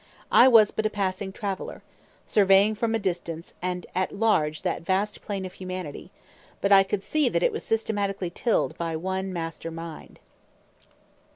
I was but a passing traveller, surveying from a distance and at large that vast plain of humanity; but I could see that it was systematically tilled by one master mind.